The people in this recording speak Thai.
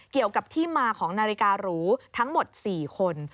เกี่ยวกับที่มาของนาฬิการูทั้งหมด๔คน